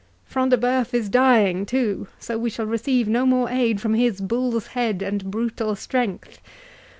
Front de Bœuf is dying too, so we shall receive no more aid from his bull's head and brutal strength.